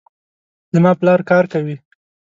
زما پلار کار کوي